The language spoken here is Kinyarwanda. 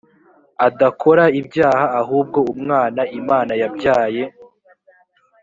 adakora ibyaha ahubwo umwana imana yabyaye